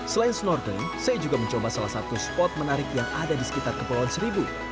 selain snorkeling saya juga mencoba salah satu spot menarik yang ada di sekitar kepulauan seribu